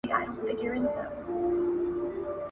• د بل غم تر واوري سوړ دئ.